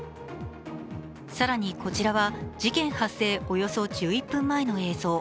更にこちらは、事件発生およそ１１分前の映像。